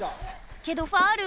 けどファウル。